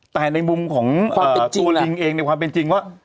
แต่ในมุมของตัวลิงเองในความเป็นจริงว่า